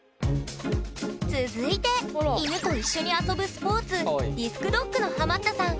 続いて犬と一緒に遊ぶスポーツディスクドッグのハマったさん